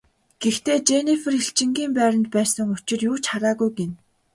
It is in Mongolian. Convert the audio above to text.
Гэхдээ Женнифер элчингийн байранд байсан учир юу ч хараагүй гэнэ.